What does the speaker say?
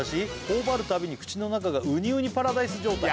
「ほおばるたびに口の中がうにうにパラダイス状態」